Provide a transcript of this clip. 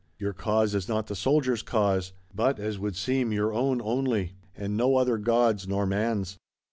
Your cause is not the soldier's cause; but, as would seem, your own only, and no other god's nor man's.